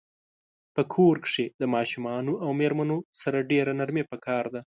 په کور کښی د ماشومانو او میرمنو سره ډیره نرمی پکار ده